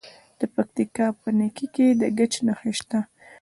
د پکتیکا په نکې کې د ګچ نښې شته.